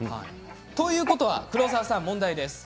ということで黒沢さん問題です。